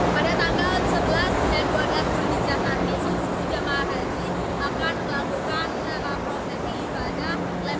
pada tanggal ini jemaah akan melakukan perjalanan dengan berjalan kaki kurang lebih dua km